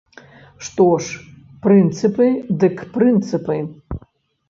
Што ж, прынцыпы дык прынцыпы.